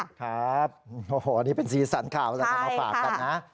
ครับโอ้โหนี่เป็นสีสันข่าวเลยนำมาฝากกันนะ